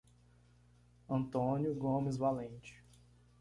Antônio Gomes Valente